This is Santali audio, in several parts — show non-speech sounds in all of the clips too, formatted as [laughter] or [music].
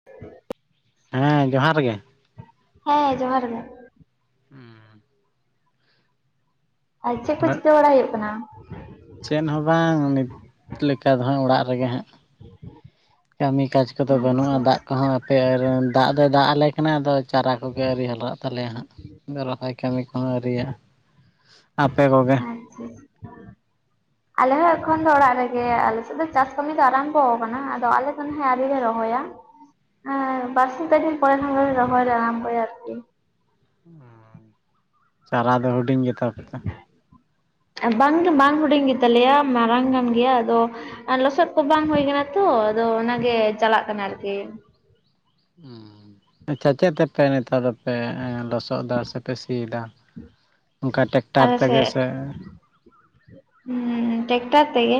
[unintelligible] ᱦᱮᱸ ᱡᱚᱦᱟᱨ ᱜᱮ ᱦᱮᱸ ᱡᱚᱦᱟᱨ ᱜᱮ ᱦᱩᱸ ᱟᱨ ᱪᱮᱫ ᱠᱚ ᱪᱤᱠᱟᱹ ᱵᱟᱲᱟ ᱦᱩᱭᱩᱜ ᱠᱟᱱᱟ ᱪᱮᱫ ᱦᱚᱸ ᱵᱟᱝ ᱱᱤᱛ ᱞᱮᱠᱟ ᱫᱚ ᱦᱟᱸᱜ ᱚᱲᱟᱜ ᱨᱮ ᱜᱮ ᱦᱟᱸᱜ ᱠᱟᱹᱢᱤ ᱠᱟᱡᱽ ᱠᱚᱫᱚ ᱵᱟᱹᱱᱩᱜᱼᱟ ᱟᱪᱪᱷᱟ ᱫᱟᱜ ᱟᱪᱪᱷᱟ ᱠᱚ ᱦᱚᱸ ᱯᱮ ᱫᱟᱜ ᱫᱚᱭ ᱫᱟᱜ ᱟᱞᱮ ᱠᱟᱱᱟ ᱟᱫᱚ ᱪᱟᱨᱟ ᱠᱚᱜᱮ ᱟᱣᱨᱤ ᱦᱚᱨᱟᱜ ᱛᱟᱞᱮᱭᱟ ᱦᱟᱸᱜ ᱨᱚᱦᱚᱭ ᱠᱟᱹᱢᱤ ᱠᱚᱦᱚᱸ ᱟᱹᱣᱨᱤᱭᱟᱜᱼᱟ ᱟᱯᱮ ᱠᱚᱜᱮ [inaudible] ᱟᱞᱮ ᱦᱚᱸ ᱮᱠᱷᱚᱱ ᱫᱚ ᱚᱲᱟᱜ ᱨᱮᱜᱮ ᱟᱞᱮ ᱥᱮᱫ ᱫᱚ ᱪᱟᱥ ᱠᱟᱹᱢᱤ ᱫᱚ ᱟᱨᱟᱢᱵᱚ ᱠᱟᱱᱟ ᱟᱫᱚ ᱟᱞᱮ ᱠᱷᱚᱱ ᱦᱮ ᱟᱣᱨᱤ ᱞᱮ ᱨᱚᱦᱚᱭᱟ ᱦᱮᱸ ᱵᱟᱨᱥᱤᱧ ᱯᱮ ᱫᱤᱱ ᱯᱚᱨᱮ ᱠᱷᱟᱱ ᱜᱮ ᱨᱚᱦᱚᱭ ᱞᱮ ᱟᱨᱟᱢᱵᱚᱭᱟ ᱟᱨᱠᱤ ᱪᱟᱨᱟ ᱫᱚ ᱦᱩᱰᱤᱧ ᱜᱮ ᱛᱟᱯᱮ ᱛᱮ ᱵᱟᱝ ᱜᱮ ᱵᱟᱝ ᱦᱩᱰᱤᱧ ᱜᱮ ᱛᱟᱞᱮᱭᱟ ᱢᱟᱨᱟᱝ ᱠᱟᱱ ᱜᱮᱭᱟ ᱟᱫᱚ ᱟᱨ ᱞᱚᱥᱚᱫ ᱠᱚ ᱵᱟᱝ ᱦᱩᱭ ᱠᱟᱱᱟ ᱛᱚ ᱟᱫᱚ ᱚᱱᱟᱜᱮ ᱪᱟᱞᱟᱜ ᱠᱟᱱᱟ ᱟᱨᱠᱤ ᱦᱩᱸ ᱦᱩᱸ ᱟᱪᱪᱷᱟ ᱪᱮᱫ ᱛᱮᱯᱮ ᱱᱮᱛᱟᱨ ᱫᱚᱯᱮ ᱞᱚᱥᱚᱫ ᱮᱫᱟ ᱥᱮᱯᱮ ᱥᱤ ᱭᱮᱫᱟ? ᱟᱞᱮ ᱥᱮᱫ ᱴᱮᱠᱴᱟᱨ ᱛᱮᱜᱮ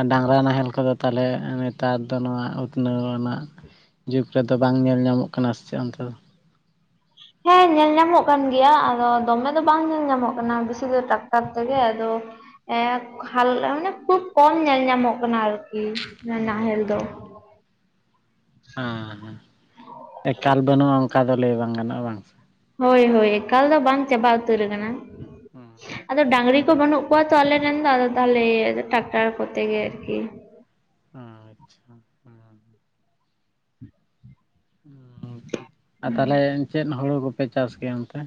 ᱩᱸ ᱰᱟᱝᱨᱟ ᱱᱟᱦᱮᱞ ᱠᱚᱫᱚ ᱛᱟᱦᱚᱞᱮ ᱱᱮᱛᱟᱨ ᱫᱚ ᱱᱚᱣᱟ ᱩᱛᱱᱟᱹᱣ ᱟᱱᱟᱜ ᱡᱩᱜᱽ ᱨᱮᱫᱚ ᱵᱟᱝ ᱧᱮᱞ ᱧᱟᱢᱚᱜ ᱠᱟᱱᱟ ᱥᱮ ᱚᱱᱛᱮ ᱫᱚ ᱦᱮᱸ ᱧᱮᱞ ᱧᱟᱢᱚᱜ ᱠᱟᱱ ᱜᱮᱭᱟ ᱟᱫᱚ ᱫᱚᱢᱮ ᱫᱚ ᱵᱟᱝ ᱧᱮᱞ ᱧᱟᱢᱚᱜ ᱠᱟᱱᱟ ᱵᱮᱥᱤ ᱫᱚ ᱴᱨᱟᱠᱴᱟᱨ ᱛᱮ ᱜᱮ ᱟᱫᱚ ᱦᱮᱸ ᱦᱟᱞ ᱢᱟᱱᱮ ᱠᱷᱩᱵ ᱠᱚᱢ ᱧᱮᱞ ᱧᱟᱢᱚᱜ ᱠᱟᱱᱟ ᱟᱨᱠᱤ ᱦᱮᱸ ᱱᱟᱦᱮᱞ ᱫᱚ ᱦᱮᱸ ᱮᱠᱟᱞ ᱵᱟᱹᱱᱩᱜᱼᱟ ᱚᱱᱠᱟ ᱫᱚ ᱞᱟᱹᱭ ᱵᱟᱝ ᱜᱟᱱᱚᱜᱼᱟ ᱵᱟᱝ ᱦᱳᱭ ᱦᱳᱭ ᱮᱠᱟᱞ ᱫᱚ ᱵᱟᱝ ᱪᱟᱵᱟ ᱩᱛᱟᱹᱨ ᱟᱠᱟᱱᱟ ᱟᱫᱚ ᱰᱟᱹᱝᱨᱤ ᱠᱚ ᱵᱟᱹᱱᱩᱜ ᱠᱚ ᱛᱚ ᱟᱞᱮ ᱨᱮᱱ ᱫᱚ ᱟᱫᱚ ᱛᱟᱦᱚᱞᱮ ᱴᱨᱟᱠᱴᱟᱨ ᱠᱚᱛᱮ ᱜᱮ ᱟᱨᱠᱤ ᱦᱩᱸᱦᱩᱸ ᱟᱨ ᱛᱟᱦᱞᱮ ᱪᱮᱫ ᱦᱩᱲᱩ ᱠᱚᱯᱮ ᱪᱟᱥ ᱠᱮᱭᱟ ᱚᱱᱛᱮ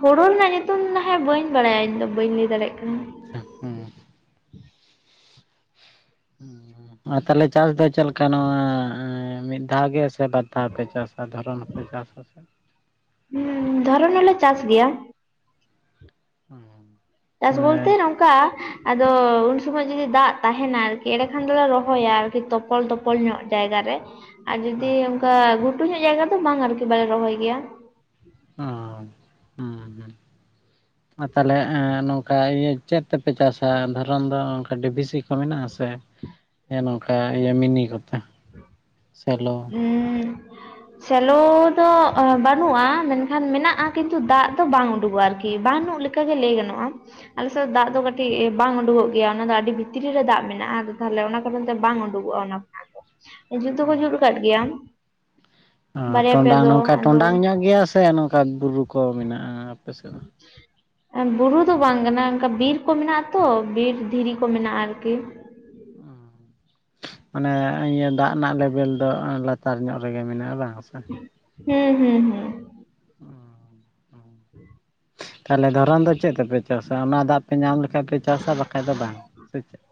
ᱦᱳᱲᱳ ᱨᱮᱱᱟᱜ ᱧᱩᱛᱩᱢ ᱦᱮᱸ ᱵᱟᱹᱧ ᱵᱟᱲᱟᱭᱟ ᱤᱧᱫᱚ ᱵᱟᱹᱧ ᱞᱟᱹᱭ ᱫᱟᱲᱮᱭᱟᱜ ᱠᱟᱱᱟ ᱟᱪᱪᱷᱟ ᱦᱩᱸ [inaudible] ᱟᱨ ᱛᱟᱦᱞᱮ ᱪᱟᱥ ᱫᱚ ᱪᱮᱫ ᱞᱮᱠᱟ ᱱᱚᱣᱟ ᱢᱤᱫ ᱫᱷᱟᱣ ᱜᱮ ᱥᱮ ᱵᱟᱨ ᱫᱷᱟᱣ ᱯᱮ ᱪᱟᱥᱟ ᱫᱷᱚᱨᱚᱱ ᱦᱚᱸᱯᱮ ᱪᱟᱥᱟ? [inaudible] ᱦᱩᱸ ᱫᱷᱚᱨᱚᱱ ᱦᱚᱸᱞᱮ ᱪᱟᱥ ᱜᱮᱭᱟ ᱦᱮᱸ ᱪᱟᱥ ᱵᱚᱞᱛᱮ ᱱᱚᱝᱠᱟ ᱟᱫᱚ ᱩᱱ ᱥᱚᱢᱚᱭ ᱡᱩᱫᱤ ᱫᱟᱜ ᱛᱟᱦᱮᱸᱱᱟ ᱟᱨᱠᱤ ᱮᱸᱰᱮ ᱠᱷᱟᱱ ᱫᱚᱞᱮ ᱨᱚᱦᱚᱭᱟ ᱟᱨᱠᱤ ᱛᱚᱯᱚᱞ ᱛᱚᱯᱚᱞ ᱧᱚᱜ ᱡᱟᱭᱜᱟ ᱨᱮ ᱟᱨ ᱡᱩᱫᱤ ᱟᱪᱪᱷᱟ ᱚᱱᱠᱟ ᱜᱷᱩᱴᱩ ᱧᱚᱜ ᱡᱟᱭᱜᱟ ᱫᱚ ᱵᱟᱝ ᱟᱨᱠᱤ ᱵᱟᱞᱮ ᱨᱚᱦᱚᱭ ᱜᱮᱭᱟ ᱚ ᱦᱩᱸ ᱢᱟ ᱛᱟᱦᱚᱞᱮ ᱱᱚᱝᱠᱟ ᱤᱭᱟᱹ ᱪᱮᱫ ᱛᱮ ᱯᱮ ᱪᱟᱥᱼᱟ ᱫᱷᱚᱨᱚᱱ ᱫᱚ ᱚᱱᱠᱟ ᱰᱤ ᱵᱷᱤ ᱥᱤ ᱠᱚ ᱢᱮᱱᱟᱜ ᱟᱥᱮ? ᱦᱮᱸ ᱱᱚᱝᱠᱟ ᱤᱭᱟᱹ ᱢᱤᱱᱤ ᱠᱚᱛᱮ ᱥᱮᱞᱚ ᱥᱮᱞᱳ ᱫᱚ ᱵᱟᱹᱱᱩᱜᱼᱟ ᱢᱮᱱᱠᱷᱟᱱ ᱢᱮᱱᱟᱜᱼᱟ ᱠᱤᱱᱛᱩ ᱫᱟᱜ ᱫᱚ ᱵᱟᱝ ᱩᱰᱩᱠᱚᱜᱼᱟ ᱟᱨᱠᱤ ᱵᱟᱹᱱᱩᱜ ᱞᱮᱼᱼ ᱠᱟ ᱜᱮ ᱞᱟᱹᱭ ᱜᱟᱱᱚᱜᱼᱟ ᱟᱞᱮ ᱥᱮᱫ ᱫᱟᱜ ᱫᱚ ᱠᱟᱹᱴᱤᱡ ᱵᱟᱝ ᱩᱸᱰᱩᱠᱚᱜ ᱜᱮᱭᱟ ᱚᱱᱟ ᱫᱚ ᱟᱹᱰᱤ ᱵᱷᱤᱛᱨᱤ ᱨᱮ ᱫᱟᱜ ᱢᱮᱱᱟᱜᱼᱟ ᱛᱟᱦᱚᱞᱮ ᱚᱱᱟ ᱠᱟᱨᱚᱱ ᱛᱮ ᱵᱟᱝ ᱩᱰᱩᱠᱚᱜᱼᱟ ᱚᱱᱟ ᱡᱩᱛ ᱫᱚᱠᱚ ᱡᱩᱛ ᱠᱟᱫ ᱜᱮᱭᱟ ᱚ ᱵᱟᱨᱭᱟ ᱯᱮ ᱴᱚᱸᱰᱟᱝ ᱫᱚ ᱱᱚᱝᱠᱟ ᱟᱫᱚ ᱴᱚᱸᱰᱟᱝ ᱧᱚᱜ ᱜᱮᱭᱟ ᱥᱮ ᱱᱚᱝᱠᱟ ᱵᱩᱨᱩ ᱠᱚ ᱢᱮᱱᱟᱜᱼᱟ ᱟᱯᱮ ᱥᱮᱫ ᱫᱚ [unintelligible] ᱵᱩᱨᱩ ᱫᱚ ᱵᱟᱝ ᱠᱟᱱᱟ ᱚᱱᱠᱟ ᱵᱤᱨ ᱠᱚ ᱢᱮᱱᱟᱜᱼᱟ ᱛᱚ ᱵᱤᱨ ᱫᱷᱤᱨᱤ ᱠᱚ ᱢᱮᱱᱟᱜᱼᱟ ᱟᱨᱠᱤ ᱢᱟᱱᱮ ᱤᱭᱟᱹ ᱫᱟᱜ ᱨᱮᱱᱟᱜ ᱞᱮᱵᱮᱞ ᱫᱚ ᱞᱟ ᱛᱟᱨ ᱧᱚᱜ ᱨᱮ ᱜᱮ ᱢᱮᱱᱟᱜᱼᱟ ᱵᱟᱝ ᱦᱩᱸ ᱦᱩᱸ ᱦᱩᱸ ᱛᱟᱦᱚᱞᱮ ᱫᱷᱚᱨᱚᱱ ᱫᱚ ᱪᱮᱫ ᱛᱮᱯᱮ ᱪᱟᱥ? ᱛᱚ ᱚᱱᱟ ᱫᱟᱜ ᱯᱮ ᱧᱟᱢ ᱞᱮᱠᱷᱟᱡ ᱯᱮ ᱪᱟᱥᱟ ᱵᱟᱠᱷᱟᱡ ᱫᱚ ᱵᱟᱝ ᱥᱮ ᱪᱮᱫ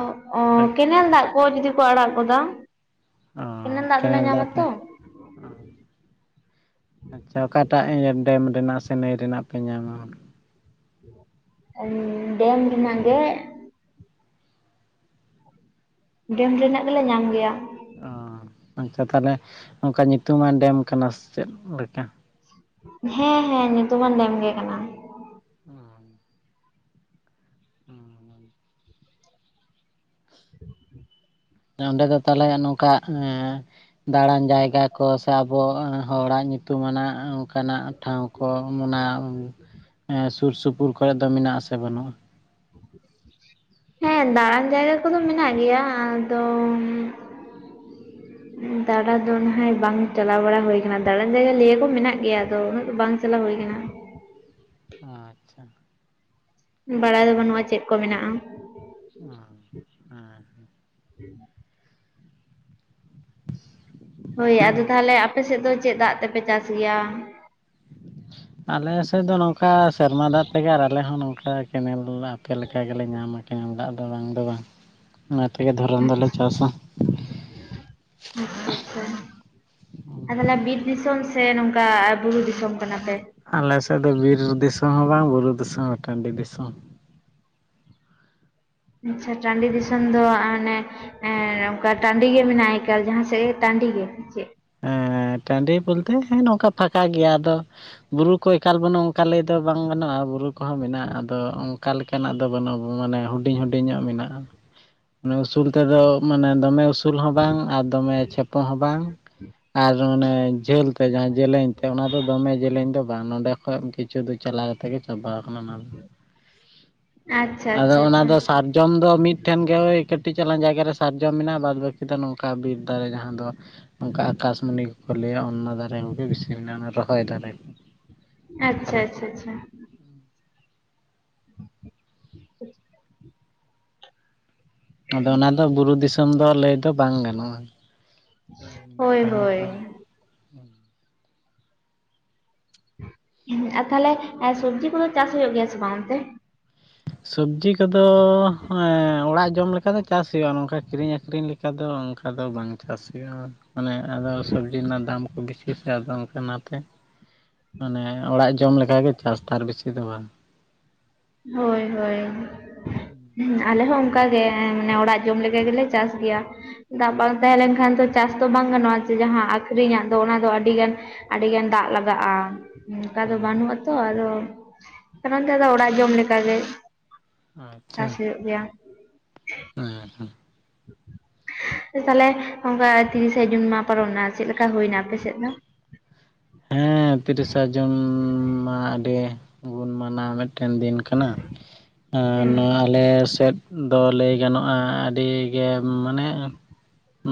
ᱚ ᱚ ᱠᱮᱱᱮᱞ ᱫᱟᱜ ᱠᱚ ᱡᱩᱫᱤ ᱠᱚ ᱟᱲᱟᱜ ᱜᱚᱫᱟ ᱠᱮᱱᱮᱞ ᱫᱟᱜ ᱫᱚ ᱞᱮ ᱧᱟᱢ ᱟᱛᱚ ᱚ ᱟᱪᱪᱷᱟ ᱚᱠᱟᱴᱟᱜ ᱰᱮᱢ ᱨᱮᱱᱟᱜ ᱥᱮ ᱱᱟᱹᱭ ᱨᱮᱱᱟᱜ ᱯᱮ ᱧᱟᱢᱟ? ᱰᱮᱱ ᱨᱮᱭᱟᱜ ᱜᱮ ᱰᱮᱢ ᱨᱮᱱᱟᱜ ᱜᱮᱞᱮ ᱧᱟᱢ ᱜᱮᱭᱟ᱾ ᱚ ᱟᱪᱪᱷᱟ ᱛᱟᱦᱚᱞᱮ ᱚᱱᱠᱟ ᱧᱩᱛᱩᱢᱟᱱ ᱰᱮᱢ ᱠᱟᱱᱟ ᱪᱮᱫᱞᱮᱠᱟ᱾ ᱦᱮᱸᱻ ᱦᱮᱸᱻ ᱧᱩᱛᱩᱢᱟᱱ ᱰᱮᱢ ᱜᱤ ᱠᱟᱱᱟ᱾ ᱦᱩᱸ ᱦᱩᱸ ᱦᱮ ᱚᱸᱰᱮ ᱫᱚ ᱛᱟᱦᱚᱞᱮ ᱱᱚᱝᱠᱟ ᱮᱻ ᱫᱟᱬᱟᱱ ᱡᱟᱭᱜᱟ ᱠᱚ ᱥᱮ ᱟᱵᱚ ᱦᱚᱲᱟᱜ ᱧᱩᱛᱩᱢᱟᱱᱟᱜ ᱚᱱᱠᱟᱱᱟᱜ᱾ ᱴᱷᱟᱶ ᱠᱚ ᱚᱱᱟ ᱥᱩᱨ ᱥᱩᱯᱩᱨ ᱠᱚᱨᱮ ᱫᱚ ᱢᱮᱱᱟᱜ ᱟᱥᱮ ᱵᱟᱹᱱᱩᱜᱼᱟ᱾ ᱦᱮᱸ ᱫᱟᱬᱟᱱ ᱡᱟᱭᱜᱟ ᱠᱚᱫᱚ ᱢᱮᱱᱟᱜ ᱜᱮᱭᱟ ᱟᱫᱚ [inaudible] ᱫᱟᱬᱟ ᱫᱚ ᱱᱟᱦᱟᱜ ᱵᱟᱝ ᱪᱟᱞᱟᱣ ᱵᱟᱲᱟ ᱦᱩᱭᱩᱠ ᱫᱟᱬᱟᱱ ᱡᱟᱭᱜᱟ ᱞᱟᱹᱭᱟ ᱠᱚ ᱢᱮᱱᱟᱜ ᱜᱮᱭᱟ ᱟᱫᱚ ᱩᱱᱟᱹᱜ ᱫᱚ ᱵᱟᱝ ᱪᱟᱞᱟᱣ ᱦᱩᱭ ᱠᱟᱱᱟ᱾ ᱟᱪᱷᱟ᱾ ᱵᱟᱲᱟᱭ ᱫᱚ ᱵᱟᱹᱱᱩᱜᱼᱟ ᱪᱮᱫ ᱠᱚ ᱢᱮᱱᱟᱜᱼᱟ᱾ [unintelligible] ᱦᱳᱭ ᱟᱫᱚ ᱛᱟᱦᱚᱞᱮ ᱟᱯᱮ ᱥᱮᱫ ᱫᱚ ᱪᱮᱫ ᱫᱟᱜ ᱛᱮᱯᱮ ᱪᱟᱥ ᱜᱮᱭᱟ᱾ ᱟᱞᱮ ᱥᱮᱫ ᱫᱚ ᱱᱚᱝᱠᱟ ᱥᱮᱨᱢᱟ ᱫᱟᱜ ᱛᱮᱜᱮ ᱟᱨ ᱟᱞᱮ ᱦᱚᱸ ᱱᱚᱝᱠᱟ ᱠᱮᱱᱮᱞ ᱟᱯᱮ ᱞᱮᱠᱟ ᱜᱮᱞᱮ ᱧᱟᱢᱟ ᱠᱮᱱᱮᱞ ᱫᱟᱜ ᱫᱚ ᱵᱟᱝ ᱫᱚ ᱵᱟᱝᱻ ᱚᱱᱟ ᱛᱮᱜᱮ ᱫᱷᱚᱨᱚᱱ ᱫᱚᱞᱮ ᱪᱟᱥᱟ᱾ [unintelligible] ᱟᱫ ᱛᱟᱦᱚᱞᱮ ᱵᱤᱨ ᱫᱤᱥᱚᱢ ᱥᱮ ᱱᱚᱝᱠᱟ ᱵᱩᱨᱩ ᱫᱤᱥᱚᱢ ᱠᱟᱱᱟ ᱯᱮ᱾ ᱟᱞᱮ ᱥᱮᱫ ᱫᱚ ᱵᱤᱨ ᱫᱤᱥᱚᱢ ᱦᱚᱸ ᱵᱟᱝ ᱵᱩᱨᱩ ᱫᱤᱥᱚᱢ ᱦᱚᱸ ᱴᱟᱺᱰᱤ ᱫᱤᱥᱚᱢ ᱟᱪᱪᱷᱟ ᱴᱟᱺᱰᱤ ᱫᱤᱥᱚᱢ ᱫᱚ ᱟᱱᱮ ᱮᱻ ᱚᱱᱠᱟ ᱴᱟᱺᱰᱤ ᱜᱮ ᱢᱮᱱᱟᱜᱼᱟ ᱮᱠᱟᱞ ᱡᱟᱦᱟᱸ ᱥᱮᱫ ᱜᱮ ᱴᱟᱺᱰᱤ ᱜᱮ ᱪᱮᱫ ᱦᱮᱸ ᱴᱟᱺᱰᱤ ᱵᱚᱞᱛᱮ ᱦᱮᱸ ᱱᱚᱝᱠᱟ ᱯᱷᱟᱠᱟ ᱜᱮᱭᱟ ᱟᱫᱚ ᱵᱩᱨᱩ ᱠᱚ ᱮᱠᱟᱞ ᱵᱟᱹᱱᱩᱜᱼᱟ ᱚᱱᱠᱟ ᱫᱚ ᱵᱟᱝ ᱜᱟᱱᱚᱜᱼᱟ ᱵᱩᱨᱩ ᱠᱚᱦᱚᱸ ᱢᱮᱱᱟᱜᱼᱟ ᱟᱫᱚ ᱚᱱᱠᱟ ᱞᱮᱠᱟ᱾ ᱱᱟᱜ ᱫᱚ ᱵᱟᱹᱱᱩᱜ ᱢᱟᱱᱮ ᱦᱩᱰᱤᱧ ᱦᱩᱰᱤᱧᱚᱜ ᱢᱮᱱᱟᱜᱼᱟᱟᱱᱮ ᱩᱥᱩᱞ ᱛᱮᱫᱚ ᱢᱟᱱᱮ ᱫᱚᱢᱮ ᱩᱥᱩᱞ ᱩᱥᱩᱞ ᱦᱚᱸ ᱵᱟᱝ ᱟᱨ ᱫᱚᱢᱮ ᱪᱷᱮᱯᱚ ᱦᱚᱸ ᱵᱟᱝ [unintelligible] ᱟᱨ ᱚᱱᱮ ᱡᱷᱟᱹᱞ ᱛᱮ ᱡᱟᱦᱟᱸ ᱡᱮᱞᱮᱧ ᱛᱮ ᱚᱱᱟ ᱫᱚ ᱫᱚᱢᱮ ᱡᱮᱞᱮᱧ ᱫᱚ ᱵᱟᱝ ᱱᱚᱰᱮ ᱠᱷᱚᱱᱚᱡ ᱠᱤᱪᱷᱩ ᱫᱚ ᱪᱟᱞᱟ ᱠᱟᱛᱮ ᱜᱮ ᱵᱟᱦᱟ ᱠᱟᱱᱟ ᱚᱱᱟ ᱫᱚ ᱟᱪᱪᱷᱟ ᱟᱫᱚ ᱟᱪᱪᱷᱟ ᱚᱱᱟ ᱟᱪᱪᱷᱟ ᱫᱚ ᱥᱟ ᱡᱚᱢ ᱫᱚ ᱢᱤᱫᱴᱷᱮᱱ ᱜᱮ ᱳᱭ ᱠᱟᱹᱴᱤᱡ ᱪᱟᱞᱟᱝ ᱡᱟᱭᱜᱟᱮ ᱥᱟᱨᱡᱚᱢ ᱢᱮᱱᱟᱜᱼᱟ ᱵᱟᱫᱽ ᱵᱟᱹᱠᱤ ᱫᱚ ᱱᱚᱝᱠᱟ ᱵᱤᱨ ᱫᱟᱨᱮ ᱡᱟᱦᱟᱸ ᱫᱚ ᱚᱱᱠᱟ ᱟᱠᱟᱥᱢᱚᱱᱤ ᱠᱚᱠᱚ ᱞᱟᱹᱭᱟ ᱚᱱᱟ ᱫᱟᱨᱮ ᱠᱚᱜᱮ ᱵᱮᱥᱤ ᱢᱮᱱᱟᱜᱼᱟ ᱨᱚᱦᱚᱭ ᱫᱟᱨᱮ᱾ ᱚᱱᱠᱟ ᱟᱪᱪᱷᱟ ᱞᱮᱠᱟ ᱟᱪᱪᱷᱟ ᱫᱚ ᱟᱪᱪᱷᱟ᱾ [unintelligible] ᱟᱫᱚ ᱚᱱᱟ ᱫᱚ ᱵᱩᱨᱩ ᱫᱤᱥᱚᱢ ᱫᱚ ᱞᱟᱹᱭ ᱫᱚ ᱵᱟᱝ ᱜᱟᱱᱚᱜᱼᱟ [inaudible] ᱦᱳᱭ ᱦᱳᱭ ᱫᱚ ᱟᱨ ᱛᱟᱦᱞᱮ ᱥᱚᱵᱡᱤ ᱠᱚᱫᱚ ᱪᱟᱥ ᱦᱩᱭᱩᱜ ᱜᱮᱭᱟ ᱥᱮ ᱵᱟᱝ ᱚᱱᱛᱮ᱾ ᱥᱚᱵᱡᱤ ᱠᱚᱫᱚ ᱮᱻ ᱚᱲᱟᱜ ᱡᱚᱢ ᱞᱮᱠᱟ ᱫᱚ ᱪᱟᱥ ᱦᱩᱭᱩᱜᱼᱟ ᱱᱚᱝᱠᱟ ᱠᱤᱨᱤᱧ ᱟᱹᱠᱷᱨᱤᱧ ᱞᱮᱠᱟ ᱫᱚ ᱫᱚ ᱚᱱᱠᱟ ᱫᱚ ᱵᱟᱝ ᱪᱟᱥ ᱦᱩᱭᱩᱜᱼᱟ ᱢᱟᱱᱮ ᱟᱫᱚ ᱥᱚᱵᱽᱡᱤ ᱨᱮᱱᱟᱜ ᱫᱟᱢ ᱠᱚ ᱵᱤᱥᱤ ᱟᱫᱚ ᱚᱱᱠᱟ ᱚᱱᱟᱛᱮ ᱢᱟᱱᱮᱻ ᱚᱲᱟᱜ ᱡᱚᱢ ᱞᱮᱠᱟ ᱜᱮ ᱪᱟᱥ ᱛᱟᱨ ᱵᱮᱥᱤ ᱫᱚ ᱵᱟᱝ ᱦᱳᱭ ᱦᱳᱭ [unintelligible] ᱟᱞᱮ ᱦᱚᱸ ᱚᱱᱠᱟᱜᱮ ᱢᱟᱱᱮ ᱚᱲᱟᱜ ᱡᱚᱢ ᱞᱮᱠᱟ ᱜᱮᱞᱮ ᱪᱟᱥ ᱜᱮᱭᱟ᱾ ᱫᱟᱜ ᱵᱟᱝ ᱛᱟᱦᱮᱸ ᱞᱮᱱᱠᱷᱟᱱ ᱫᱚ ᱪᱟᱥ ᱫᱚ ᱵᱟᱝ ᱜᱟᱱᱚᱜᱼᱟ ᱡᱮ ᱡᱟᱦᱟᱸ ᱟᱹᱠᱷᱨᱤᱧᱟᱜ ᱫᱚ ᱚᱱᱟ ᱫᱚ ᱟᱹᱰᱤᱜᱟᱱ ᱟᱹᱰᱤᱜᱟᱱ ᱫᱟᱜ ᱞᱟᱜᱟᱜᱼᱟ ᱚᱱᱠᱟ ᱫᱚ ᱦᱮᱸ ᱵᱟᱹᱱᱩᱜ-ᱟ ᱛᱚ ᱟᱫᱚ ᱚᱱᱟᱛᱮᱫᱚ ᱚᱲᱟᱜ ᱡᱚᱢ ᱞᱮᱠᱟᱜᱮ᱾ ᱪᱟᱥ ᱦᱩᱭᱩᱜ ᱜᱮᱭᱟ᱾ ᱦᱮᱸ ᱦᱮᱸ ᱛᱟᱦᱚᱞᱮ ᱚᱱᱠᱟ ᱛᱤᱨᱤᱥᱟ ᱡᱩᱱ ᱢᱟ ᱯᱟᱨᱚᱢᱮᱱᱟ ᱪᱮᱫ ᱞᱮᱠᱟ ᱦᱩᱭᱱᱟ ᱟᱯᱮ ᱥᱮᱫ ᱫᱚ ᱦᱮᱸ ᱛᱤᱨᱤᱥᱟ ᱡᱩᱱ ᱢᱟ ᱟᱹᱰᱤ ᱜᱩᱱ ᱢᱟᱱᱟᱣ ᱢᱤᱫ ᱴᱮᱱ ᱫᱤᱱ ᱠᱟᱱᱟ ᱮᱸ ᱦᱩᱸ ᱱᱚᱣᱟ ᱟᱞᱮ ᱥᱮᱫ ᱫᱚ ᱞᱟᱹᱭ ᱜᱟᱱᱚᱜᱼᱟ ᱟᱹᱰᱤ ᱜᱮ ᱢᱟᱱᱮ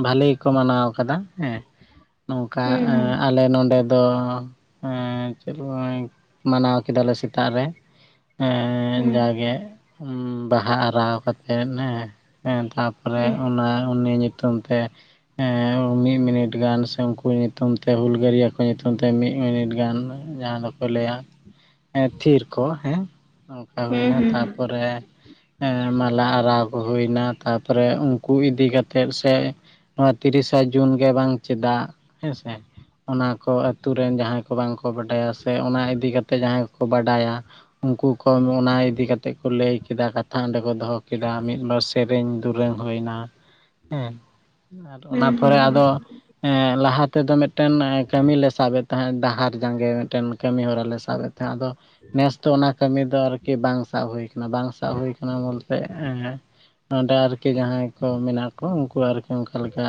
ᱵᱷᱟᱹᱞᱤ ᱜᱮᱠᱚ ᱢᱟᱱᱟᱣ ᱠᱟᱫᱟ ᱦᱮᱸ ᱱᱚᱝᱠᱟ ᱦᱩᱸ ᱮᱸᱻ ᱟᱞᱮ ᱱᱚᱰᱮ ᱫᱚ ᱮᱸ [unintelligible] ᱢᱟᱱᱟᱣ ᱠᱮᱫᱟᱞᱮ ᱥᱮᱛᱟᱜ ᱨᱮᱻ ᱮᱸ ᱦᱩᱸ ᱡᱟᱜᱮ ᱵᱟᱦᱟ ᱟᱨᱟᱣ ᱠᱟᱛᱮᱜ ᱮᱸ ᱮᱸ ᱛᱟᱨᱯᱚᱨᱻ ᱛᱟᱨ ᱯᱚᱨᱮ ᱚᱱᱟ ᱩᱱᱤ ᱧᱩᱛᱩᱢ ᱛᱮ ᱮᱸᱻ ᱢᱤᱫ ᱢᱤᱱᱮᱴ ᱜᱟᱱ ᱥᱮ ᱩᱱᱠᱩ ᱧᱩᱛᱩᱢ ᱛᱮ ᱦᱩᱞᱜᱟᱹᱨᱤᱭᱟᱹ ᱠᱚ᱾ ᱟᱠᱚ ᱧᱩᱛᱩᱢ ᱛᱮ ᱢᱤᱫ ᱢᱤᱱᱤᱴ ᱜᱟᱱ ᱡᱟᱸᱦᱟ ᱫᱚᱠᱚ ᱞᱟᱹᱭᱟ ᱮᱸ ᱛᱷᱤᱨ ᱠᱚᱜ ᱦᱮᱸ ᱱᱚᱱᱠᱟ ᱦᱩᱸ ᱦᱩᱭᱱᱟ ᱦᱩᱸ ᱦᱩᱸ ᱛᱟᱨᱯᱚᱨᱮ ᱦᱮᱸ ᱢᱟᱞᱟ ᱟᱨᱟᱣ ᱠᱚ ᱦᱩᱭᱱᱟ ᱛᱟᱨᱯᱚᱨᱮ ᱩᱱᱠᱩ ᱤᱫᱤ ᱠᱟᱛᱮᱱ ᱥᱮ ᱱᱚᱣᱟ ᱛᱤᱨᱤᱥᱟ ᱡᱩᱱ ᱜᱮ ᱵᱟᱝ ᱪᱮᱫᱟᱜ ᱦᱮᱸᱥᱮ ᱚᱱᱟ ᱠᱚ ᱟᱹᱛᱩ ᱨᱮᱱ ᱡᱟᱦᱟᱸᱭ ᱠᱚ ᱵᱟᱝ ᱠᱚ ᱵᱟᱰᱟᱭᱟ ᱥᱮ ᱚᱱᱟ ᱤᱫᱤ ᱠᱟᱛᱮ ᱡᱟᱦᱟᱸᱭ ᱠᱚ ᱠᱚ ᱵᱟᱰᱟᱭᱟ ᱩᱱᱠᱩ ᱠᱚ ᱚᱱᱟ ᱤᱫᱤ ᱠᱟᱛᱮᱫ ᱠᱚ ᱞᱟᱹᱭ ᱠᱮᱫᱟ ᱠᱟ ᱛᱷᱟ ᱚᱸᱰᱮ ᱠᱚ ᱫᱚᱦᱚ ᱠᱮᱫᱟ ᱢᱤᱫ ᱵᱟᱨ ᱥᱮᱨᱮᱧ ᱫᱩᱨᱟᱹᱝ ᱦᱩᱭᱱᱟ ᱦᱮᱸ ᱟᱨ ᱚᱱᱟ ᱦᱩᱸ ᱦᱩᱸ ᱯᱚᱨᱮ ᱦᱩᱸ ᱟᱫᱚ ᱮᱸ ᱞᱟᱦᱟ ᱛᱮᱫᱚ ᱢᱤᱫᱴᱮᱱ ᱠᱟᱹᱢᱤ ᱞᱮ ᱥᱟᱵ ᱮᱫ ᱛᱟᱦᱮᱸᱫ ᱰᱟᱦᱟᱨ ᱡᱟᱸᱜᱮ ᱢᱤᱫ ᱴᱮᱱ ᱠᱟᱹᱢᱤ ᱦᱚᱨᱟ ᱞᱮ ᱥᱟᱵ ᱮᱫ ᱛᱟᱦᱮᱸᱫ ᱟᱫᱚ ᱱᱮᱥ ᱫᱚ ᱚᱱᱟ ᱠᱟᱹᱢᱤ ᱫᱚ ᱟᱨᱠᱤ ᱵᱟᱝ ᱥᱟᱵ ᱦᱩᱭ ᱟᱠᱟᱱᱟ ᱵᱟᱝ ᱥᱟᱵ ᱦᱩᱭ ᱟᱠᱟᱱᱟ ᱵᱚᱞᱛᱮ ᱮᱸ ᱱᱚᱸᱰᱮ ᱟᱨᱠᱤ ᱡᱟᱦᱟᱸᱭ ᱠᱚ ᱢᱮᱱᱟᱜ ᱠᱚ ᱩᱱᱠᱩ ᱟᱨᱠᱤ ᱚᱱᱠᱟ ᱞᱮᱠᱟ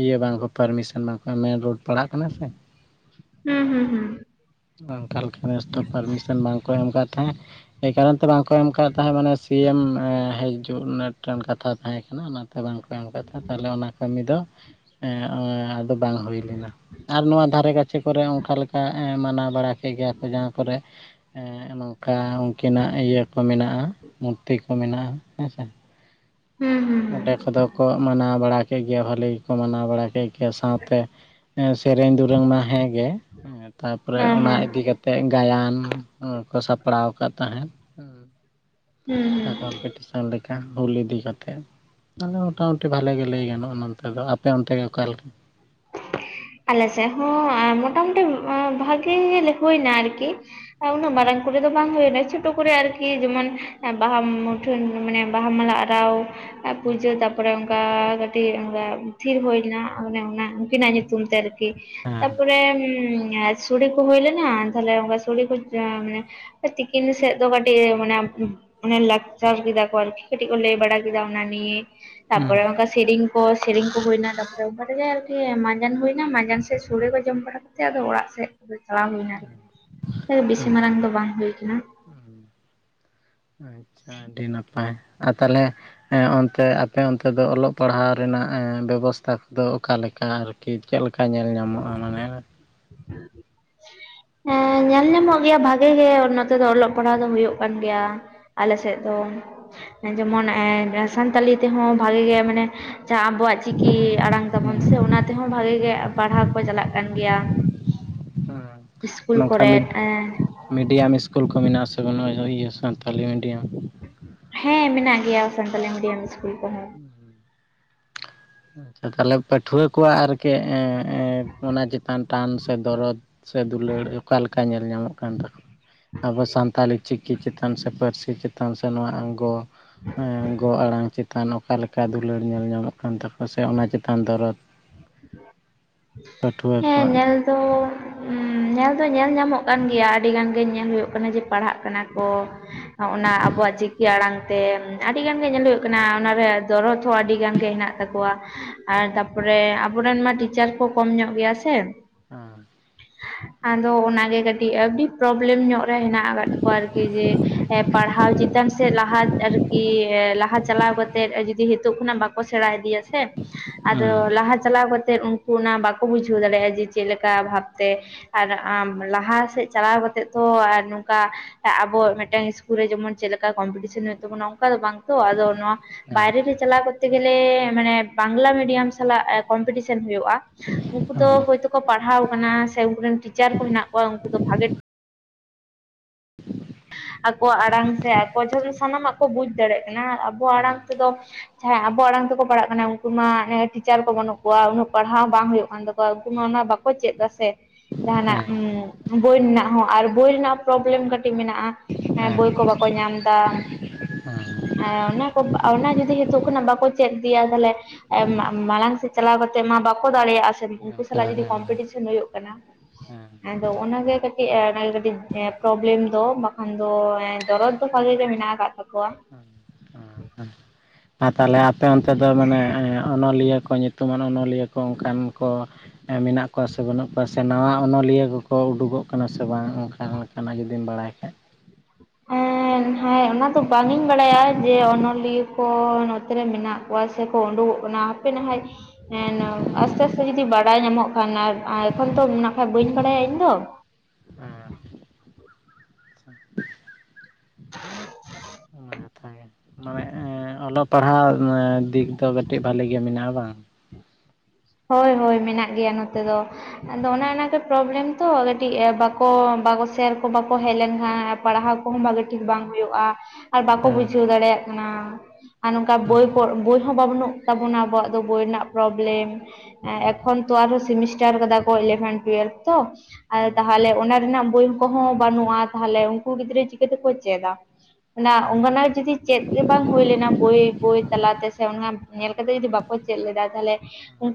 ᱤᱭᱟᱹ ᱵᱟᱝᱠᱚ ᱯᱟᱨᱢᱤᱥᱮᱱ ᱵᱟᱝ ᱠᱚ ᱮᱢᱮᱫ ᱢᱮᱱ ᱨᱳᱰ ᱯᱟᱲᱟᱜ ᱠᱟᱱᱟ ᱥᱮ ᱦᱩᱸ ᱦᱩᱸ ᱦᱩᱸ ᱚᱱᱠᱟ ᱞᱮᱠᱟ ᱱᱮᱥ ᱫᱚ ᱯᱟᱨᱢᱤᱥᱮᱱ ᱵᱟᱝᱠᱚ ᱮᱢ ᱠᱟᱫ ᱛᱟᱦᱮᱸᱫ ᱮᱭ ᱠᱟᱨᱚᱱ ᱛᱮ ᱵᱟᱝ ᱠᱚ ᱠᱚ ᱮᱢ ᱟᱠᱟᱫ ᱛᱟᱦᱮᱸᱫ ᱢᱟᱱᱮ ᱥᱤ ᱮᱢ ᱦᱤᱡᱩᱜ ᱢᱤᱫ ᱴᱮᱱ ᱠᱟᱛᱷᱟ ᱛᱟᱦᱮᱸ ᱠᱟᱱᱟ ᱚᱱᱟ ᱵᱟᱝᱠᱚ ᱮᱢ ᱠᱟᱫ ᱛᱟᱸᱦᱮ ᱛᱟᱦᱚᱞᱮ ᱚᱱᱟ ᱠᱟᱹᱢᱤ ᱫᱚ ᱮᱸ ᱮᱸ ᱵᱟᱝ ᱦᱩᱭ ᱞᱮᱱᱟ ᱟᱨ ᱱᱚᱣᱟ ᱫᱷᱟᱨᱮ ᱠᱟᱪᱷᱮ ᱠᱚᱨᱮ ᱚᱠᱟ ᱞᱮᱠᱟ ᱮᱸ ᱢᱟᱱᱟᱣ ᱵᱟᱲᱟ ᱜᱮᱭᱟ ᱠᱚ ᱡᱟᱦᱟᱸ ᱠᱚᱨᱮ ᱮᱸ ᱱᱚᱝᱠᱟ ᱩᱱᱠᱤᱱᱟᱜ ᱤᱭᱟᱹ ᱠᱚ ᱢᱮᱱᱟᱜᱼᱟ ᱢᱩᱨᱛᱤ ᱠᱚ ᱢᱮᱱᱟᱜᱼᱟ ᱦᱮᱸ ᱥᱮ। ᱦᱩᱸ ᱦᱩᱸ ᱦᱩᱸ ᱚᱸᱰᱮ ᱠᱚᱫᱚ ᱠᱚ ᱢᱟᱱᱟᱣ ᱵᱟᱲᱟ ᱠᱮᱫ ᱜᱮᱭᱟ ᱵᱷᱟᱹᱞᱤ ᱜᱮᱠᱚ ᱢᱟᱱᱟᱣ ᱵᱟᱲᱟ ᱠᱮᱫ ᱥᱟᱶᱛᱮ ᱮᱸ ᱥᱮᱨᱮᱧ ᱫᱩᱨᱟᱹᱝ ᱢᱟ ᱦᱮᱸᱜᱮ ᱮᱸ ᱛᱟᱨ ᱯᱚᱨᱮ ᱦᱮᱸ ᱚᱱᱟ ᱦᱮᱸ ᱤᱫᱤ ᱠᱟᱛᱮᱜ ᱜᱟᱭᱟᱱ ᱦᱩᱸ ᱠᱚ ᱥᱟᱯᱲᱟᱣ ᱟᱠᱟᱫ ᱛᱟᱦᱮᱸᱫ। ᱦᱩᱸ ᱦᱩᱸ। ᱠᱚᱢᱯᱤᱴᱤᱥᱚᱱ ᱞᱮᱠᱟ ᱦᱩᱞ ᱤᱫᱤ ᱠᱟᱛᱮ। ᱟᱞᱮ ᱢᱳᱴᱟᱢᱩᱴᱤ ᱵᱷᱟᱞᱮ ᱜᱮ ᱞᱟᱹᱭ ᱜᱟᱱᱚᱜᱼᱟ ᱱᱚᱱᱛᱮ ᱫᱚ ᱟᱯᱮ ᱚᱱᱛᱮ ᱜᱮ ᱚᱠᱟ ᱞᱮᱠᱟ ᱟᱞᱮ ᱥᱮᱫ ᱦᱚᱸ ᱮᱸ ᱢᱚᱴᱟᱢᱩᱴᱤ ᱮᱸ ᱵᱷᱟᱜᱤ ᱜᱮ ᱦᱩᱭᱱᱟ ᱟᱨᱠᱤ। ᱩᱱᱟᱹᱜ ᱢᱟᱨᱟᱝ ᱠᱚᱨᱮ ᱫᱚ ᱵᱟᱝ ᱦᱩᱭᱱᱟ ᱪᱷᱳᱴᱳ ᱠᱚᱨᱮ ᱟᱨᱠᱤ ᱡᱮᱢᱚᱱ ᱵᱟᱦᱟ ᱢᱟᱱᱮ ᱵᱟᱦᱟᱢᱟᱞᱟ ᱟᱨᱟᱣ ᱯᱩᱡᱟᱹ ᱛᱟᱨᱯᱚᱨᱮ ᱚᱱᱠᱟ ᱠᱟᱹᱴᱤᱡ ᱚᱱᱠᱟ ᱛᱷᱤᱨ ᱦᱩᱭᱱᱟ ᱚᱱᱮ ᱚᱱᱟ ᱩᱱᱠᱤᱱᱟᱜ ᱧᱩᱛᱩᱢ ᱛᱮ ᱟᱨᱠᱤ ᱦᱮᱸ ᱛᱟᱨᱯᱚᱨᱮ ᱥᱳᱲᱮ ᱠᱚ ᱦᱩᱭ ᱞᱮᱱᱟ ᱛᱟᱦᱚᱞᱮ ᱚᱱᱠᱟ ᱥᱚᱲᱮ ᱠᱚ ᱮᱸ ᱢᱟᱱᱮ ᱛᱤᱠᱤᱱ ᱥᱮᱫ ᱫᱚ ᱠᱟᱴᱤᱡ ᱢᱟᱱᱮ ᱚᱵᱼᱼ ᱚᱱᱮ ᱞᱟᱠᱪᱟᱨ ᱠᱮᱫᱟ ᱠᱚ ᱟᱨᱠᱤ ᱠᱟᱹᱴᱤᱡ ᱠᱚ ᱞᱟᱹᱭ ᱵᱟᱲᱟ ᱠᱮᱫᱟ ᱚᱱᱟ ᱱᱤᱭᱮ ᱦᱩᱸ ᱛᱟᱨᱯᱚᱨᱮ ᱚᱱᱠᱟ ᱥᱮᱨᱮᱧ ᱠᱚ ᱥᱮᱨᱮᱧ ᱠᱚ ᱦᱩᱭᱱᱟ ᱛᱟᱨᱯᱟᱨᱮ ᱚᱱᱠᱟ ᱛᱮ ᱜᱮ ᱟᱨ ᱦᱮᱸ ᱢᱟᱡᱟᱱ ᱦᱩᱭᱱᱟ ᱢᱟᱡᱟᱱ ᱥᱮᱫ ᱥᱳᱲᱮ ᱠᱚ ᱡᱚᱢ ᱵᱟᱲᱟ ᱠᱟᱛᱮ ᱟᱫᱚ ᱚᱲᱟᱜ ᱥᱮᱫ [unintelligible] ᱵᱤᱥᱤ ᱢᱟᱨᱟᱝ ᱦᱩᱸ ᱫᱚ ᱵᱟᱝ ᱦᱩᱭ ᱠᱟᱱᱟ ᱟᱪᱪᱷᱟ ᱟᱹᱰᱤ ᱱᱟᱯᱟᱭ ᱟᱨ ᱛᱟᱦᱚᱞᱮ ᱦᱮᱸ ᱚᱱᱛᱮ ᱟᱯᱮ ᱚᱱᱛᱮ ᱫᱚ ᱚᱞᱚᱜ ᱯᱟᱲᱦᱟᱣ ᱨᱮᱱᱟᱜ ᱮᱸ ᱵᱮᱵᱚᱥᱛᱷᱟ ᱠᱚᱫᱚ ᱚᱠᱟ ᱞᱮᱠᱟ ᱟᱨᱠᱤ? ᱠᱤ ᱪᱮᱫ ᱞᱮᱠᱟ ᱧᱮᱞ ᱧᱟᱢᱚᱜᱼᱟ ᱢᱟᱱᱮ? ᱦᱮᱸ ᱧᱮᱞ ᱧᱟᱢᱚᱜ ᱜᱮᱭᱟ ᱵᱷᱟᱜᱮ ᱜᱮ ᱱᱚᱛᱮ ᱫᱚ ᱚᱞᱚᱜ ᱯᱟᱲᱦᱟᱜ ᱫᱚ ᱦᱳᱭᱳᱜ ᱠᱟᱱ ᱜᱮᱭᱟ ᱟᱞᱮ ᱥᱮᱫ ᱫᱚ ᱡᱮᱢᱚᱱ ᱮᱸ ᱥᱟᱱᱛᱟᱲᱤ ᱛᱮᱦᱚᱸ ᱵᱷᱟᱜᱮ ᱜᱮ ᱢᱟᱱᱮ ᱡᱟᱦᱟᱸ ᱟᱵᱚᱣᱟᱜ ᱪᱤᱠᱤ ᱟᱬᱟᱝ ᱦᱩᱸ ᱛᱟᱵᱚᱱ ᱥᱮ ᱚᱱᱟ ᱛᱮᱦᱚᱸ ᱵᱷᱟᱜᱮ ᱜᱮ ᱯᱟᱲᱦᱟᱣ ᱠᱚ ᱪᱟᱞᱟᱜ ᱠᱟᱱ ᱜᱮᱭᱟ ᱦᱩᱸ ᱤᱥᱠᱩᱞ ᱱᱚᱝᱠᱟ ᱢᱤᱰ ᱠᱚᱨᱮᱫ ‌ᱮᱸ ᱢᱤᱰᱤᱭᱟᱢ ᱤᱥᱠᱩᱞ ᱠᱚ ᱢᱮᱱᱟᱜ-ᱟ ᱥᱮ ᱵᱟᱹᱱᱩᱜ-ᱟ, ᱤᱭᱟᱹ ᱥᱟᱱᱛᱟᱞᱤ ᱢᱤᱰᱤᱭᱚᱢ? ᱦᱮᱸ ᱢᱮᱱᱟᱜ ᱜᱮᱭᱟ ᱥᱟᱱᱛᱟᱞᱩ ᱢᱤᱰᱤᱭᱟᱢ ‌ᱤᱥᱠᱩᱞ ᱠᱚ ᱦᱚᱸ᱾ ᱟᱪᱪᱷᱟ ᱛᱟᱞᱦᱮ ᱯᱟᱹᱴᱷᱩᱣᱟᱹ ᱠᱚᱣᱟᱜ ᱟᱨ ᱠᱤ ᱮᱸᱼ ᱮᱸ ᱚᱱᱟ ᱪᱮᱛᱟᱱ ᱴᱟᱱ ᱥᱮ ᱫᱚᱨᱚᱫᱽ? ᱥᱮ ᱫᱩᱞᱟᱹᱲ ᱚᱠᱟ ᱞᱮᱠᱟ ᱧᱮᱞ ᱧᱟᱢᱚᱜ ᱠᱟᱱ ᱛᱟᱠᱚᱣᱟ? ᱟᱵᱚ ᱥᱟᱱᱛᱟᱞᱤ ᱪᱤᱠᱤ ᱪᱮᱛᱟᱱ ᱥᱮ ᱯᱟᱹᱨᱥᱤ ᱪᱮᱛᱟᱱ ᱥᱮ ᱱᱚᱣᱟ ᱟᱝ ᱜᱚᱼᱼ ᱜᱚ ᱟᱬᱟᱝ ᱪᱮᱛᱟᱱ ᱚᱠᱟ ᱞᱮᱠᱟ ᱫᱩᱞᱟᱹᱲ ᱧᱮᱞ ᱧᱟᱢᱚᱜ ᱠᱟᱱ ᱛᱟᱠᱚᱣᱟᱼᱼ ᱥᱮ ᱚᱱᱟ ᱪᱮᱛᱟᱱ ᱫᱚᱨᱚᱫᱽ? ᱦᱮᱸ ᱧᱮᱞ ᱫᱚ ᱩᱸᱢ ᱩᱸ ᱧᱮᱞ ᱫᱚ ᱧᱮᱞ ᱧᱟᱢᱚᱜ ᱠᱟᱱ ᱜᱮᱭᱟ ᱟᱹᱰᱤ ᱜᱟᱱ ᱜᱮ ᱧᱮᱞ ᱦᱩᱭᱩᱜ ᱠᱟᱱᱟ ᱡᱮ ᱯᱟᱲᱦᱟᱜ ᱠᱟᱱᱟ ᱠᱚ᱾ ᱚ ᱚᱱᱟ ᱟᱵᱚᱣᱟᱜ ᱪᱤᱠᱤ ᱟᱬᱟᱝ ᱛᱮ ᱟᱹᱰᱤᱜᱟᱱ ᱜᱮ ᱧᱮᱞ ᱦᱩᱭᱩᱜ ᱠᱟᱱᱟ ᱚᱱᱟ ᱨᱮ ᱫᱚᱨᱚᱫᱽ ᱦᱚᱸ ᱟᱰᱤ ᱜᱟᱱ ᱜᱮ ᱦᱮᱱᱟᱜᱼᱼ ᱛᱟᱠᱚᱣᱟ ᱟᱨ ᱛᱟᱯᱚᱨᱮ ᱟᱵᱚ ᱨᱮᱱ ᱢᱟ ᱴᱤᱪᱟᱨ ᱠᱚ ᱠᱚᱢ ᱧᱚᱜ ᱜᱮᱭᱟ ᱥᱮ ᱦᱚᱸ᱾ ᱟᱫᱚ ᱚᱱᱟ ᱜᱮ ᱠᱟᱹᱴᱤᱡ ᱟᱹᱰᱤ ᱯᱨᱚᱵᱮᱞᱮᱢ ᱧᱚᱜ ᱨᱮ ᱦᱮᱱᱟᱜ ᱟᱠᱟᱫ ᱠᱚᱣᱟ ᱟᱨ ᱠᱤ ᱡᱮ ᱯᱟᱲᱦᱟᱣ ᱪᱤᱛᱟᱱ ᱥᱮ ᱞᱟᱦᱟ ᱟᱨ ᱠᱤ ᱮ ᱞᱟᱦᱟ ᱪᱟᱞᱟᱣ ᱠᱟᱛᱮᱜ ᱡᱩᱫᱤ ᱦᱤᱛᱩᱜ ᱠᱷᱚᱱᱟᱜ ᱵᱟᱠᱚ ᱥᱮᱬᱟ ᱤᱫᱤᱭᱟ ᱥᱮ ᱟᱫᱚ ᱞᱟᱦᱟ ᱪᱟᱞᱟᱣ ᱠᱟᱛᱮᱫ ᱩᱱᱠᱩ ᱚᱱᱟ ᱵᱟᱠᱩ ᱵᱩᱡᱷᱟᱹᱣ ᱫᱟᱲᱮᱭᱟᱜ-ᱟ ᱡᱮ ᱪᱮᱫ ᱞᱮᱠᱟ ᱵᱷᱟᱵᱽ ᱛᱮᱼᱼ ᱟᱨ ᱟᱢ ᱞᱟᱦᱟ ᱥᱮᱫ ᱪᱟᱞᱟᱣ ᱠᱟᱛᱮᱫ ᱛᱚ ᱟᱨ ᱱᱚᱝᱠᱟ ᱟᱵᱚ ᱢᱤᱫ ᱴᱟᱝ ᱤᱥᱠᱩᱞ ᱨᱮ ᱡᱮᱢᱚᱱ ᱪᱮᱫ ᱞᱮᱠᱟ ᱠᱚᱢᱯᱤᱴᱤᱥᱮᱱ ᱦᱩᱭᱩᱜ ᱛᱟᱵᱚᱱᱟ ᱚᱱᱠᱟ ᱫᱚ ᱵᱟᱝ ᱛᱚ ᱟᱫᱚ ᱱᱚᱶᱟ ᱵᱟᱦᱨᱮ ᱨᱮ ᱪᱟᱞᱟᱣ ᱠᱚᱨᱛᱮ ᱜᱮᱞᱮ ᱢᱟᱱᱮ ᱵᱟᱝᱞᱟ ᱢᱤᱰᱤᱭᱟᱢ ᱥᱟᱞᱟᱜ ᱮ ᱠᱚᱢᱯᱤᱴᱤᱥᱮᱱ ᱦᱩᱭᱩᱜ-ᱟᱼᱼ ᱩᱱᱠᱩ ᱫᱚ ᱦᱳᱭᱛᱳ ᱠᱚ ᱯᱟᱲᱦᱟᱣ ᱠᱟᱱᱟ ᱥᱮ ᱩᱱᱠᱩ ᱨᱮᱱ ᱴᱤᱪᱟᱨ ᱠᱚ ᱦᱮᱱᱟᱜ ᱠᱚᱣᱟ ᱩᱱᱠᱩ ᱫᱚ ᱵᱷᱟᱜᱮ [inaudible] ᱟᱠᱚᱣᱟᱜ ᱟᱬᱟᱝ ᱥᱮ ᱟᱠᱚ ᱡᱚᱱ ᱥᱟᱱᱟᱢᱟᱜ ᱠᱚ ᱵᱩᱡᱽ ᱫᱟᱲᱮᱜ ᱠᱟᱱᱟ ᱟᱵᱚᱣᱟᱜ ᱟᱬᱟᱝ ᱛᱮ ᱫᱚ ᱡᱟᱦᱟᱸᱭ ᱟᱵᱚ ᱟᱬᱟᱝ ᱛᱮᱠᱚ ᱯᱟᱲᱦᱟᱜ ᱠᱟᱱᱟ ᱩᱱᱠᱩ ᱢᱟ ᱮᱸ ᱴᱤᱪᱟᱨ ᱠᱚ ᱵᱟᱹᱱᱩᱜ ᱠᱚᱣᱟ ᱩᱱᱟᱹᱜ ᱯᱟᱲᱦᱟᱣ ᱵᱟᱝ ᱦᱩᱭᱩᱜ ᱠᱟᱱ ᱛᱟᱠᱚᱼᱼ ᱣᱟ ᱩᱱᱠᱩ ᱚᱱᱟ ᱵᱟᱠᱚ ᱪᱮᱫ ᱫᱟ ᱥᱮ ᱡᱟᱦᱱᱟᱜ ᱩᱸ ᱵᱳᱭ ᱨᱮᱱᱟᱜ ᱦᱚᱸ ᱟᱨ ᱵᱳᱭ ᱨᱮᱱᱟᱜ ᱯᱨᱚᱵᱮᱞᱮᱢ ᱠᱟᱹᱴᱤᱡ ᱢᱮᱱᱟᱜ-ᱟ ᱦᱮᱸ ᱵᱳᱭ ᱠᱚ ᱵᱟᱠᱚ ᱧᱟᱢ ᱫᱟᱼᱼ ᱦᱸᱮ ᱚᱱᱟ ᱠᱚ ᱚ ᱚᱱᱟ ᱡᱩᱫᱤ ᱦᱤᱛᱩᱜ ᱵᱟᱠᱚ ᱪᱮᱫ ᱤᱫᱤᱭᱟ ᱛᱟᱞᱦᱮ ᱮ ᱢᱟ ᱢᱟᱬᱟᱝ ᱥᱮᱫ ᱪᱟᱞᱟᱣ ᱠᱟᱛᱮᱜ ᱢᱟ ᱵᱟᱠᱚ ᱫᱟᱲᱮᱭᱟᱜ-ᱟ ᱥᱮᱼᱼ ᱩᱱᱠᱩ ᱥᱟᱞᱟᱜ ᱡᱩᱫᱤ ᱠᱚᱢᱯᱤᱴᱤᱥᱮᱱ ᱦᱩᱭᱩᱜ ᱠᱟᱱᱟ ᱦᱮᱸ ᱟᱫᱚ ᱚᱱᱟ ᱜᱮ ᱠᱟᱹᱴᱤᱡ ᱮᱸ ᱠᱟᱹᱴᱤᱡ ᱮᱸ ᱯᱨᱚᱵᱽᱞᱮᱢᱼᱼ ᱫᱚ ᱵᱟᱠᱷᱟᱱ ᱫᱚ ᱮᱸ ᱫᱚᱨᱚᱫᱽ ᱫᱚ ᱵᱷᱟᱜᱮ ᱜᱮ ᱢᱮᱱᱟᱜ ᱟᱠᱟᱫ ᱛᱟᱠᱚᱣᱟᱼᱼ ᱟᱨ ᱛᱟᱞᱦᱮ ᱟᱯᱮ ᱚᱱᱛᱮ ᱫᱚ ᱢᱟᱱᱮ ᱮᱸ ᱚᱱᱚᱞᱤᱭᱟᱹ ᱠᱚ ᱧᱩᱛᱩᱢᱟᱱ ᱚᱱᱚᱞᱤᱭᱟᱹ ᱠᱚ ᱚᱱᱠᱟᱱ ᱠᱚᱼᱼ ᱮᱸ ᱢᱮᱱᱟᱜ ᱠᱚᱣᱟ ᱥᱮ ᱵᱟᱹᱱᱩᱜ ᱠᱚᱣᱟ? ᱥᱮ ᱥᱮ ᱱᱟᱶᱟᱟ ᱚᱱᱚᱞᱤᱭᱟᱹ ᱠᱚ ᱠᱚ ᱩᱰᱩᱠᱚᱜ ᱠᱟᱱᱟ ᱥᱮ ᱵᱟᱝ ᱚᱱᱠᱟ ᱞᱮᱠᱟ ᱱᱟᱜ ᱡᱩᱫᱤᱢ ᱵᱟᱲᱟᱭ ᱠᱷᱟᱡᱼᱼ [inaudible] ᱦᱮᱸ ᱦᱮᱸᱭ ᱚᱱᱟ ᱫᱚ ᱵᱟᱝ ᱤᱧ ᱵᱟᱲᱟᱭᱟ ᱡᱮ ᱚᱱᱚᱞᱤᱭᱟᱹ ᱠᱚ ᱱᱚᱛᱮ ᱨᱮ ᱢᱮᱱᱟᱜᱼᱼ ᱯᱚᱭᱥᱟ ᱥᱟ ᱠᱚ ᱩᱰᱩᱠᱚᱜ ᱠᱟᱱᱟ ᱦᱟᱯᱮ ᱱᱟᱜᱦᱟᱭ ᱦᱮᱸ ᱟᱥᱛᱮ ᱟᱥᱛᱮ ᱡᱩᱫᱤ ᱵᱟᱲᱟᱭ ᱧᱟᱢᱚᱜ ᱠᱷᱟᱱ ᱟᱨ ᱮᱠᱷᱚᱱ ᱛᱚ ᱱᱟᱜ ᱠᱷᱟᱱ ᱵᱟᱹᱧ ᱵᱟᱲᱟᱭᱟ ᱤᱧ ᱫᱚ ᱚᱱᱟ ᱠᱟᱛᱷᱟ ᱜᱮ ᱢᱟᱱᱮ [inaudible] ᱚᱞᱚᱜ ᱯᱟᱨᱦᱟᱜ ᱮᱸ ᱫᱤᱠ ᱫᱚ ᱠᱟᱹᱴᱤᱡ ᱵᱷᱟᱞᱤ ᱜᱮ ᱢᱮᱱᱟᱜ-ᱟ ᱵᱟᱝᱼᱼ ᱦᱚᱭ ᱦᱚᱭ ᱢᱮᱱᱟᱜ ᱜᱮᱭᱟ ᱱᱚᱛᱮ ᱫᱚᱼᱼ ᱟᱫᱚ ᱚᱱᱟ ᱱᱟ ᱜᱮ ᱯᱨᱚᱵᱽᱞᱮᱢ ᱛᱚ ᱠᱟᱹᱴᱤᱡ ᱮ ᱵᱟᱠᱚ ᱵᱟᱠᱚ ᱥᱮᱨ ᱠᱚ ᱵᱟᱠᱚ ᱦᱮᱡ ᱞᱮᱱᱠᱷᱟᱱᱼᱼ ᱯᱟᱲᱦᱟᱣ ᱠᱚᱦᱚᱸ ᱵᱷᱟᱜᱮ ᱴᱷᱤᱠ ᱵᱟᱝ ᱦᱩᱭᱩᱜ-ᱟ ᱟᱨ ᱵᱟᱠᱚ ᱵᱩᱡᱷᱟᱹᱣ ᱫᱟᱲᱮᱭᱟᱜ ᱠᱟᱱᱟ᱾ ᱟᱨ ᱱᱚᱝᱠᱟ ᱦᱮᱸ ᱵᱳᱭ ᱠᱚ ᱵᱳᱭ ᱦᱚᱸ ᱵᱟ ᱵᱟᱹᱱᱩᱜ ᱛᱟᱵᱚᱱᱟ ᱟᱵᱚᱣᱟᱜ ᱫᱚ ᱵᱳᱭ ᱨᱮᱱᱟᱜ ᱯᱨᱚᱵᱽᱞᱮᱢᱼᱼ ᱮ ᱦᱮᱸ ᱮᱠᱷᱚᱱ ᱛᱚ ᱟᱨ ᱦᱚᱸ ᱥᱤᱢᱤᱥᱴᱟᱨ ᱠᱟᱫᱟ ᱠᱚ ᱮᱞᱮᱵᱷᱮᱱ ᱴᱩᱭᱮᱞᱵᱷ ᱛᱚ ᱟᱨ ᱦᱮᱸ ᱛᱟᱦᱟᱞᱮ ᱚᱱᱟᱼᱼ ᱨᱮᱱᱟᱜ ᱵᱳᱭ ᱠᱚᱦᱚᱸ ᱵᱟᱹᱱᱩᱜ-ᱟ ᱛᱟᱦᱚᱞᱮ ᱩᱱᱠᱩ ᱜᱤᱫᱽᱨᱟᱹ ᱪᱤᱠᱟᱹ ᱛᱮᱠᱚ ᱪᱮᱫᱟ ᱚᱱᱟ ᱦᱮᱸ ᱚᱱᱠᱟ ᱱᱟᱜ ᱡᱩᱫᱤᱼᱼ ᱪᱮᱫ ᱜᱮ ᱵᱟᱝ ᱦᱩᱭ ᱞᱮᱱᱟ ᱵᱳᱭ ᱵᱳᱭ ᱛᱟᱞᱟ ᱛᱮ ᱥᱮ ᱚᱱᱟ ᱦᱟᱸᱜᱼᱼ ᱦᱮᱸ ᱧᱮᱞ ᱠᱟᱛᱮᱫ ᱡᱩᱫᱤ ᱵᱟᱠᱚ ᱪᱮᱫ ᱞᱮᱫᱟ ᱛᱟᱦᱚᱞᱮ